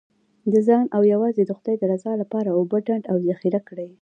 د ځان او یوازې د خدای د رضا لپاره اوبه ډنډ او ذخیره کړئ.